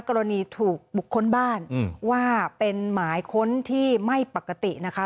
กรณีถูกบุคคลบ้านว่าเป็นหมายค้นที่ไม่ปกตินะคะ